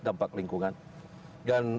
dampak lingkungan dan